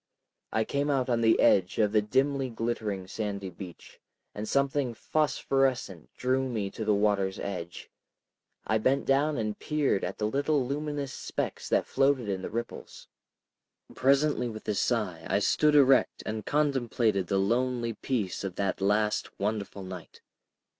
I came out on the edge of the dimly glittering sandy beach, and something phosphorescent drew me to the water's edge. I bent down and peered at the little luminous specks that floated in the ripples. Presently with a sigh I stood erect, and contemplated the lonely peace of that last wonderful night.